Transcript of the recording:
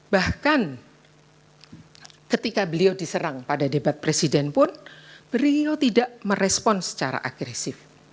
bahkan ketika beliau diserang pada debat presiden pun beliau tidak merespon secara agresif